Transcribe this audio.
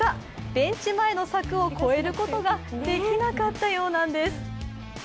ベンチ前の柵を越えることができなかったようなんです。